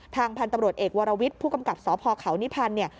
ทางพันธุ์ตำรวจเอกวรวิทย์ผู้กำกับสพเขานิพันธ์เนี่ย